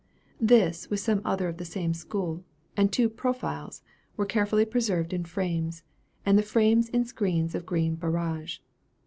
This, with some others of the same school, and two "profiles," were carefully preserved in frames, and the frames in screens of green barage.